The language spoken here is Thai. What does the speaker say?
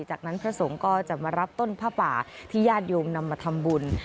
จากนั้นพระสงฆ์ก็จะมารับต้นผ้าป่าที่ญาติโยมนำมาทำบุญ